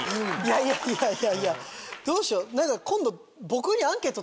いやいやいやいやどうしよ！